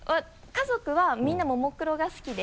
家族はみんなももクロが好きで。